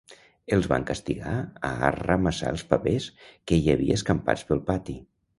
Els van castigar a arramassar els papers que hi havia escampats pel pati.